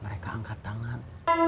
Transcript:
mereka angkat tangan